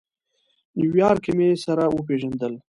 نیویارک کې مو سره وپېژندل.